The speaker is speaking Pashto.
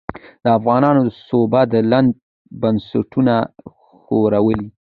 د افغانانو سوبه د لندن بنسټونه ښورولې.